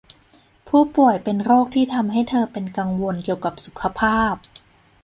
ผู้ป่วยเป็นโรคที่ทำให้เธอเป็นกังวลเกี่ยวกับสุขภาพ